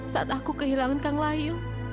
saat aku kehilangan kang layu